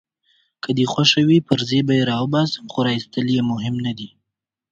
که دي خوښه وي پرزې به يې راوباسم، خو راایستل يې مهم نه دي.